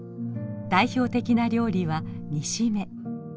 代表的な料理は煮しめ。